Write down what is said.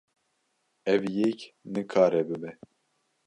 Ev yek nikare bibe.